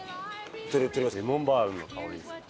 レモンバームの香りです。